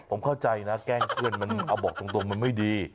ผมเข้าใจนะแกล้งเพื่อนมันเอาบอกตรงมันไม่ดี